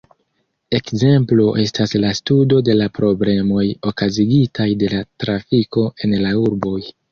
Ekzemplo estas la studo de la problemoj okazigitaj de la trafiko en la urboj.